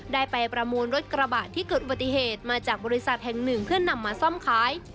ได้ไปประมูลรถกระบะที่เกิดอุบัติเหตุมาจากบริษัทแห่งหนึ่งเพื่อนำมาซ่อมขาย